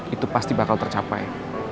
itu pasti bakal tercapai